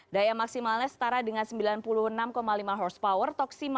daya maksimalnya setara dengan sembilan puluh enam lima horsepower